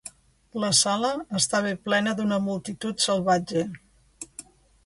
La sala estava plena d'una multitud salvatge.